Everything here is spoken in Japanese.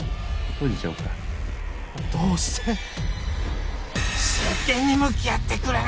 どうして真剣に向き合ってくれない！？